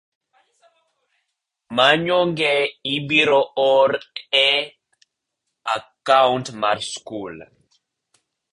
manyonge ibiro or e akaunt mar skul.